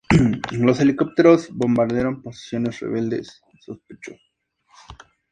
Los helicópteros bombardearon posiciones rebeldes sospechosos.